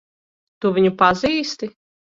Tu viņu pazīsti?